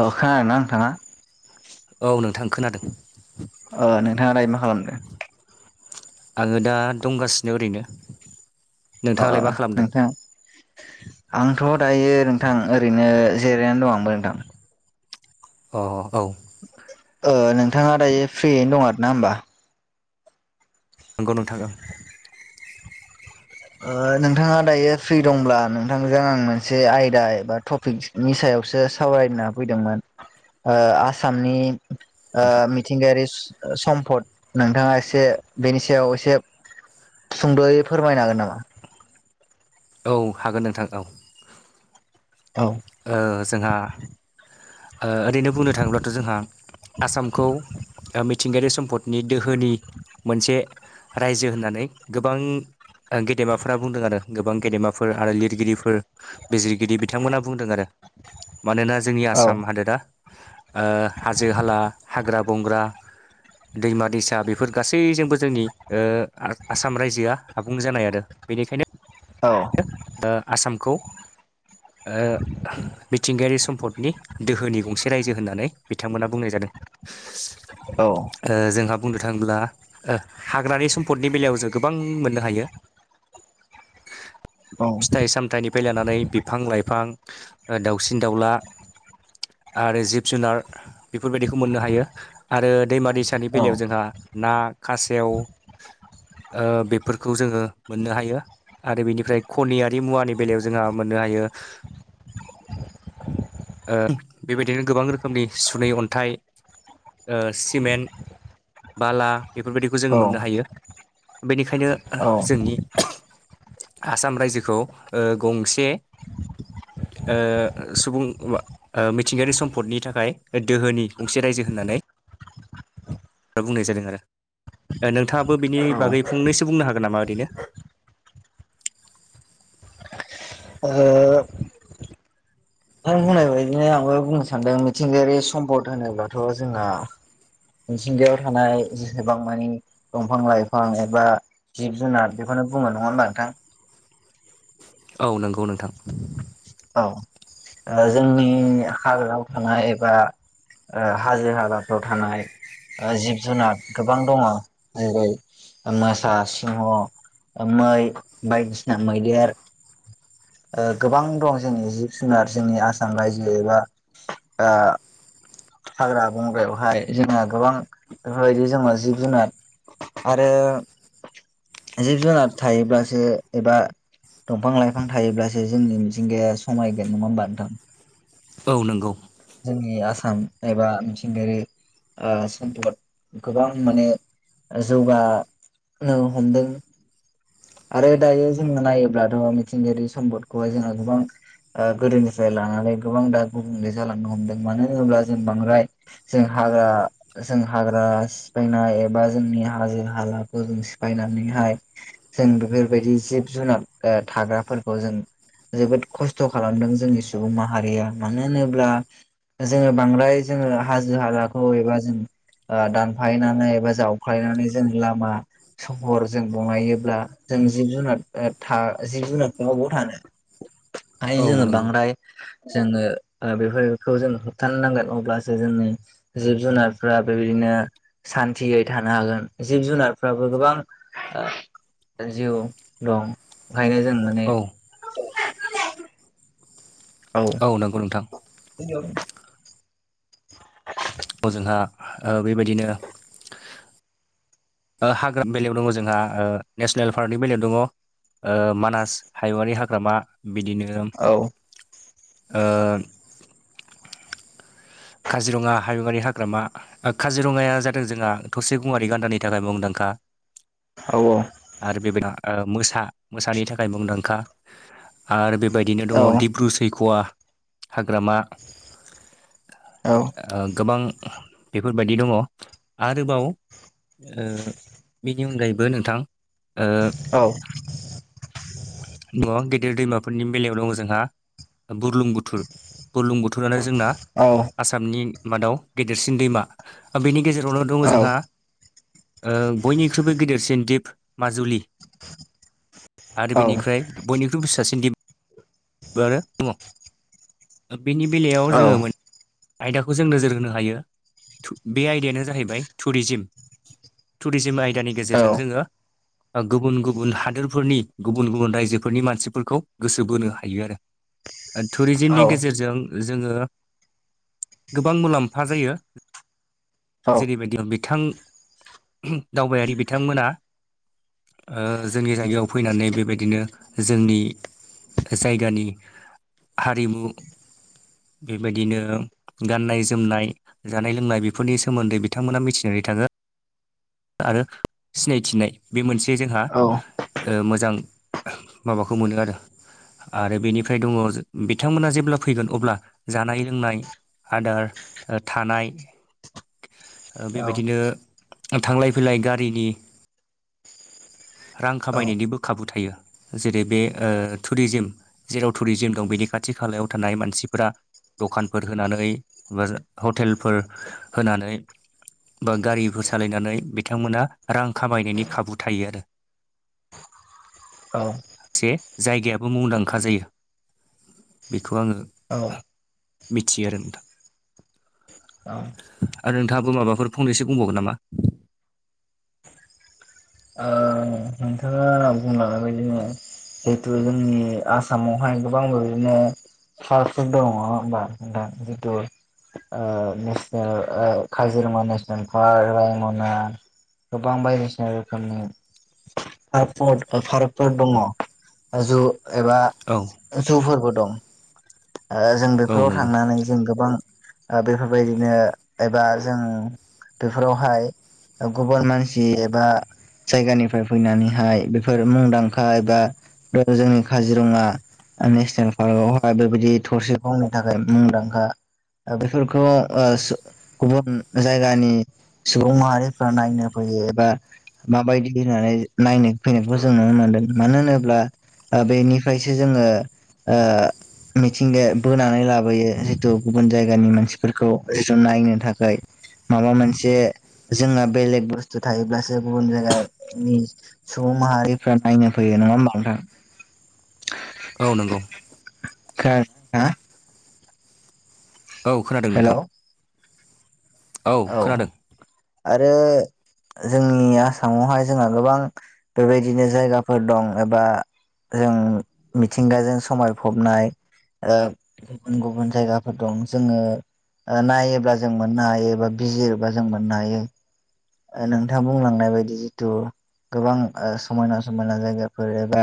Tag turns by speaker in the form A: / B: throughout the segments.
A: अ खोनादोंना नोंथाङा?
B: औ नोंथां खोनादों
A: ओ नोंथाङा दायो मा खालामदों?
B: आङो दा दंगासिनो ओरैनो।
A: अ
B: नोंथाङालाय मा खालामदों
A: नोंथां आंथ' दायो नोंथां ओरैनो जिरायनानै दं आंबो नोंथां।
B: अ औ
A: ओ नोंथाङा दायो फ्रियैनो दं आरोन ना होनोमबा।
B: नंगौ नोंथां
A: ओ नोंथाङा दायो फ्रि दंब्ला नोंथांजों आं मोनसे आयदा एबा टपिक नि सायावसो सावरायना फैदोंमोन ओ आसामनि ओ
B: नोंथां
A: मिथिंगायारि सु सम्फद नोंथाङा एसे बेनि सायाव एसे सुंद'यै फोरमायनो हागोन नामा? [inaudible]
B: औ हागोन नोंथां औ
A: औ
B: ओ जोंहा ओ ओरैनो बुंनो थाङोब्लाथ' जोंहा आसामखौ ओ मिथिंगायारि सम्पदनि दोहोनि मोनसे रायजो होननानै गोबां गेदेमाफोरा बुंदों आरो गोबां गेदेमाफोर आरो लिरगिरिफोर बिजिरगिरि बिथांमोनहा बुंदों आरो मानोना जोंनि
A: औ
B: आसाम हादोरा ओ हाजो हाला हाग्रा बंग्रा दैमा दैसा बेफोर गासैजोंबो जोंनि ओ आसाम रायजोआ आबुं जानाय आरो। बेनिखायनो
A: औ
B: ओ आसामखौ ओ मिथिंगायारि सम्पदनि दोहोनि गंसे रायजो होननानै बिथांमोनहा बुंनाय जादों।
A: औ
B: ओ जोंहा बुंनो थाङोब्ला हाग्रानि सम्फदनि बेलायाव जों गोबां मोननो हायो।
A: औ
B: फिथाइ सामथाइनिफ्राय लानानै बिफां लाइफां ओ दाउसिन दाउला ओ आरो जिब जुनार बेफोरबायदिखौ मोननो हायो। आरो दैमा दैसानि
A: औ
B: बेलायाव जोंहा ना खासेव ओ बेफोरखौ जोङो मोननो हायो आरो बेनि फ्राय खनियारि मुवानि बेलायाव जोंहा मोननो हायो। ओ बेबायदिनो गोबां रोखोमनि सुनै अन्थाइ ओ सिमेन्ट बाला बेफोरबायदिखौ जोङो
A: औ
B: मोननो हायो बेनिखायनो
A: औ
B: जोंनि आसाम रायजोखौ ओ गंसे ओ सुबुं ओ मिथिंगायारि सम्पदनि थाखाय दोहोनि गंसे रायजो होननानै फ्राय बुंनाय जादों आरो ओ नोंथाङाबो बिनि
A: औ
B: बागै फंनैसो बुंनो हागोन नामा ओरैनो
A: आरो बुंनाय बाइदि बिदिनो आंबो बुंनो सानदों मिथिंगायारि सम्पद होनोब्लाथ' जोंना मिनथिंगायाव थानाय जेसेबां मानि दंफां लाइफां एबा जिब जुनार बेखौनो बुङो नङा होनोमबा नोंथां?
B: औ नंगौ नोंथां
A: औ ओ जोंनि हाग्रायाव थानाय एबा हाजो हालाफ्राव थानाय ओ जिब जुनार गोबां दङ जेरै मोसा सिंह माय बायदिसिना मैदेर ओ गोबां दं जोंनि जिब जुनार जोंनि आसाम रायजो एबा ओ हाग्रा बंग्रायावहाय जोंहा गोबां बेफोरबायदि जों जिब जुनार आरो जिब जुनार थायोब्लासो एबा दंफां लाइफां थायोब्लासो जोंनि मिथिंगाया समायगोन नङा होमबा नोंथां।
B: औ नंगौ
A: जोंनि आसाम एबा मिथिंगायारि ओ सम्फद गोबां माने जौगानो हमदों। आरो दायो जोङो नायोब्लाथ' मिथिंगायारि सम्पदखौहाय जोङो गोबां ओ गोदोनिफ्राय लानानै गोबां दा गुबुंले जालांनो हमदों मानो होनोब्ला जों बांद्राय जों हाग्रा जों हाग्रा सिफायनाय एबा जोंनि हाजो हालाखौ जों सिफायनानैहाय जों बेफोरबायदि जिब जुनार ओ थाग्राफोरखौ जों जोबोद खस्थ' खालामदों जोंनि सुबुं माहारिया मानो होनोब्ला जोङो बांद्राय जोङो हाजो हालाखौ एबा जों ओ दानफायनानै एबा जावफ्लायनानै जों लामा सहर जों बनायायोब्ला जों जिब जुनार ओ जिब जुनारफोर अबाव थानो
B: औ
A: खायनो जोङो
B: नंगौ
A: बांद्राय जोङो बेफोरखौ जों होबथानो नांगोन अब्लासो जोंनि जिब जुनारफ्रा बेबायदिनो सान्तियै थानो हागोन जिब जुनारफ्राबो गोबां जिउ दं ओंखायनो जों माने
B: औ
A: औ
B: औ नंगौ नोंथां
A: [unintelligible] [unintelligible]
B: जोंहा ओ बेबायदिनो ओ हाग्रामानि बेलायाव दङ जोंहा ओ नेसनेल पार्कनि बेलायाव दङ मानास हायुआारि हाग्रामा बिदिनो
A: औ
B: काजिरङा हयुंवारि हाग्रामा ओ काजिरङाया जादों जोंहा थसे गंयारि गान्दानि थाखाय मुंदांखा।
A: औ औ
B: आरो बेबायदिनो मोसा मोसानि थाखाय मुंदांखा। आरो बेबायदिनो
A: औ
B: दङ डिब्रु सैख'वा हाग्रामा।
A: औ
B: ओ गोबां बेफोरबायदि दङ आरोबाव ओ बेनि अनगायैबो नोंथां ओ
A: औ
B: दङ गेदेर दैमाफोरनि बेलायाव दङ जोंहा बुरलुंबुथुर बुरलुंबुथुर रानै जोंना
A: औ
B: आसामनि मादाव गेदेरसिन दैमा। बेनि गेजेरावनो दङ जोंहा ओ बयनिख्रुइबो गिदिरसिन दिप माजुलि आरो
A: औ
B: बिनि बयनिख्रुइबो फिसासिन दिप आबो दङ। बेनि बेलायाव
A: औ
B: जोङो मोनसे आयदाखौ जों नोजोर होनो हायो बे आयदायानो जाहैबाय टुरिजिम। टुरिजिम आयदानि
A: औ
B: गेजेरजों जोङो गुबुन गुबुन हादोरफोरनि गु बुन गुबुन रायजोफोरनि मानसिफोरखौ गोसो बोनो हायो आरो टुरिजिमनि गेजेरजों जोङो गोबां मुलाम्फा जायो।
A: औ
B: जेरैबायदि बिथां दावबायारि बिथांमोना ओ जोंनि जायगायाव फैनानै बेबायदिनो जोंनि जायगानि हारिमु बेबायदिनो गाननाय जोमनाय जानाय लोंनाय बेफोरनि सोमोन्दै बिथांमोना मिथिनानै थाङो। आरो सिनायथिनाय बे मोनसे जोंहा
A: औ
B: ओ मोजां माबाखौ मोनो आरो। आरो बेनिफ्राय दङ बिथांमोना जेब्ला फैगोन अब्ला जानाय लोंनाय आदार ओ थानाय ओ बेबायदिनो थांलाय फैलाय गारिनि [inaudible] रां
A: औ
B: खामायनायनिबो खाबु थायो। जेरै बे टुरिजिम जेराव टुरिजिम दं बेनि खाथि खालायाव थानाय मानसिफोरा दखानफोर होनानै बा हटेलफोर होनानै बा गारिफोर सालायनानै बिथांमोना रां खामायनायनि खाबु थायो आरो।
A: औ
B: जे जायगायाबो मुंदांखा जायो बेखौ आङो
A: औ
B: मिथियो आरो नोंथां।
A: औ
B: आरो नोंथाङाबो माबाफोर फंनैसो बुंबावगोन नामा?
A: नोंथाङा आंना बुंलांनाय बायदि जिहेतु जोंनि आसामावहाय गोबां बिदिनो फासफोर दङ नङा होमबाथ नोंथां जिथु ओ नेसनेल ओ काजिरङा नेसनेल पार्क रायमना गोबां बायदिसिना रो खोमनि फार पार्कफोर दङ जु एबा
B: औ
A: ओ जुफोरबो दं। ओ जों
B: औ
A: बेफोराव
B: नंगौ
A: थांनानै जों गोबां बेफोरबायदिनो एबा जों बेफोरावहाय गुबुन मानसि एबा जायगानिफ्राय फैनानैहाय बेफोर मुंदांखा एबा जोंनि काजिरङा नेसनेल पार्कआवहाय बा बेबायदि थरसेखौनो थाखाय मुंदांखा बेफोरखौ ओ सु गुबुन जायगानि सुबुं माहारिफ्रा नायनो फैयो एबा माबायदि होननानै नायनो फैनायखौ जों नुनो मोन्दों मानो होनोब्ला ओ बेनिफ्रायसो जोङो ओ मिथिंगाया बोनानै लाबोयो जितु गुबुन जायगानि मानसिफोरखौ जिथु नायनो थाखाय माबा मोनसे जोंहा बेलेग बुस्थु थायोब्लासो गुबुन जायगानि सुबुं माहारिफ्रा नायनो फैयो नङा होमबा नोंथां?
B: औ नंगौ
A: [unintelligible]
B: औ खोनादों
A: हेलौ
B: नोंथां।
A: औ आरो जोंनि आसामावहाय जोंहा गोबां बेबायदिनो जायगाफोर दं एबा जों मिथिंगाजों समायफबनाय ओ गुबुन गुबुन जायगाफोर दं जोङो ओ नायोब्ला जों मोननो हायो बा बिजिरोबा जों मोननो हायो नोंथाङा बुंलांनाय बायदि जिथु गोबां ओ समायना समायना जायगाफोर एबा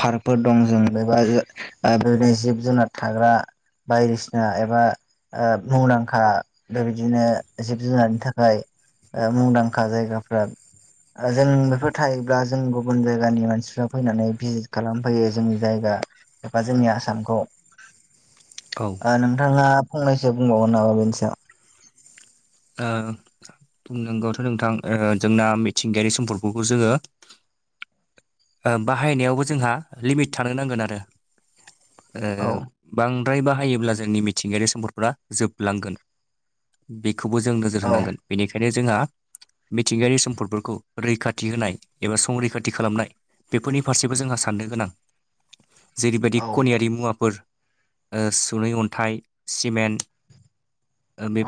A: पार्कफोर दं जों बेबा बेबायदि जिब जुनार थाग्रा बायदिसिना एबा ओ मुंदांखा बेबायदिनो जिब जुनारनि थाखाय ओ‌ मुंदांखा जायगाफ्रा जों बेफोर थायोब्ला जों गुबुन जायगानि मानसिफ्रा फैनानै भिजिट खालामफैयो जोंनि जायगा एबा जोंनि आसामखौ। ओ नोंथांङा फंनैसो बुंबावगोन नामा बेनिसायाव?
B: ओ बुंनांगौथ नोंथां ओ जोंना मिथिंगायारि सम्पदखौबो जोङो ओ बाहायनायावबो जोंहा लिमिट थानो नांगोन आरो। ओ
A: औ
B: बांद्राय बाहायोब्ला जोंनि मिथिंगायारि सम्पदफोरा जोबलांगोन। बेखौबो जों नो नोजोर
A: औ
B: होनांगोन बेनिखायनो जोंहा मिथिंगायारि सम्पदफोरखौ रैखाथि होनाय एबा संरैखाथि खालामनाय बेफोरनि फारसेबो जोंहा साननो गोनां जेरैबायदि
A: औ
B: खनियारि मुवाफोर ओ सुनै अन्थाइ सिमेन्ट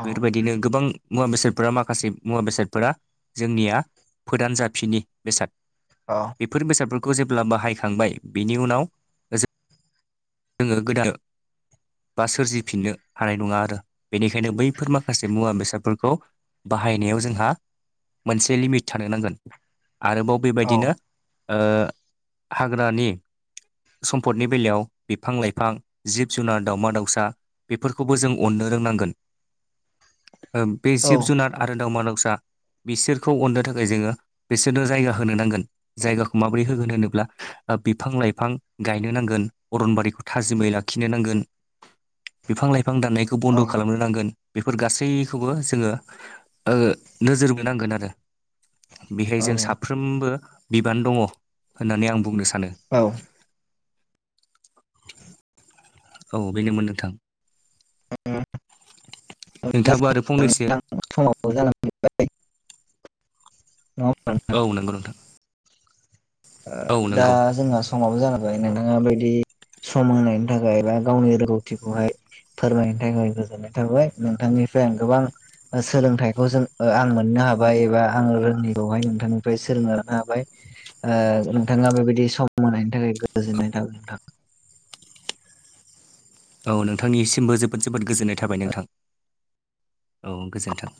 A: औ
B: गोबां मुवा बेसादफोरा माखासे मुवा बेसादफोरा जोंनिया फोदान जाफिनि बेसाद
A: औ
B: बेफोर बेसादफोरखौ जेब्ला बाहायखांबाय बिनि उनाव जों जोंङो गोदान बा सोरजिफिननो हानाय नङा आरो बेनिखायनो बैफोर माखासे मुवा बेसादफोरखौ बाहायनायाव जोंहा मोनसे लिमिट थानो नांगोन आरोबाव बेबायदिनो ओ हाग्रानि सम्फदनि बेलायाव बिफां लाइफां जिब जुनार दावउमा दाउसा बेफोरखौबो जों अननो रोंनांगोन
A: [inaudible]
B: बे
A: औ
B: जिब जुनार आरो दावमा दावसा बिसोरखौ अननो थाखाय जोङो बिसोरनो जायगा होनो नांगोन जायगाखौ माबोरै होगोन होनोब्ला बिफां लाइफां गायनो नांगोन अरनबारिखौ थाजिमै लाखिनो नांगोन
A: [inaudible]
B: बिफां लाइफां दाननायखौ बन्द खालामनो नांगोन बेफोर गासैखौबो जोङो ओ नोजोर बोनांगोन आरो बेहाय
A: औ औ
B: जों साफ्रोमबो बिबान दंङ होननानै आं बुंनो सानो
A: औ
B: औ बेनोमोन नोंथां
A: उम
B: नोंथांङाबो आरो फंनैसो
A: समाबो जानानै [unintelligible]
B: औ नंगौ नोंथां
A: ओ
B: औ
A: दा
B: नंगौ
A: जोंहा समाबो जालांबाय नोंथांङा बिदि सम होनायनि थाखाय बा गावनि रोंगौथिखौहाय फोरमायनो थाखाय गोजोननाय थाबाय नोंथांनिफ्राय आं गोबां सोलोंथाइखौ जों आं मोननो हाबाय एबा आं रोङै खौहाय नोंथांनिफ्राय सोलोंना लानो हाबाय ओ नोंथांङा बेबायदि सम मोनायनि थाखाय गोजोननाय थाबाय नोंथां
B: औ नोंथांनिसिमबो जोबोद जोबोद गोजोननाय थाबाय नोंथां औ गोजोन्थों